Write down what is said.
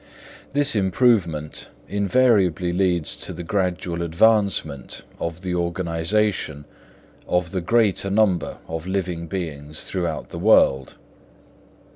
This improvement inevitably leads to the gradual advancement of the organisation of the greater number of living beings throughout the world.